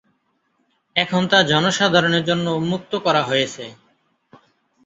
এখন তা জনসাধারণের জন্য উন্মুক্ত করা হয়েছে।